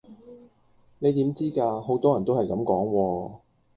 你點知㗎？好多人都係咁講喎